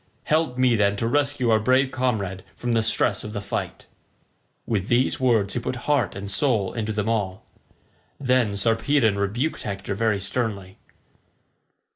Help me, then, to rescue our brave comrade from the stress of the fight." With these words he put heart and soul into them all. Then Sarpedon rebuked Hector very sternly.